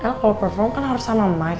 el kalo perform kan harus sama mike